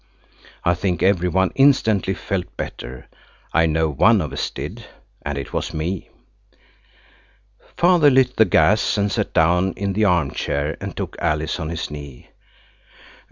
I think every one instantly felt better. I know one of us did, and it was me. Father lit the gas, and sat down in the armchair and took Alice on his knee.